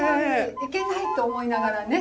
いけないと思いながらね。